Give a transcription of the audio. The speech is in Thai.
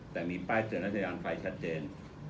แต่มีป้ายเตือนรัชยานไฟชัดเจน